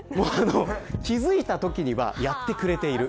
気づいたときにはやってくれてる。